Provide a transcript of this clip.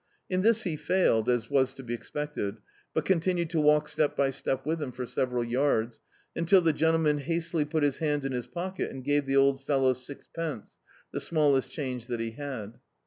In this he failed, as was to be expected, but continued to walk step by step with them for several yards, until the gentleman hastily put his hand in his pocket and gave the old fellow sixpence, the smallest change that he had.